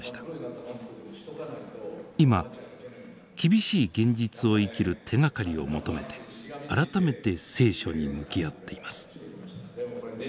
今厳しい現実を生きる手がかりを求めて改めて聖書に向き合っています。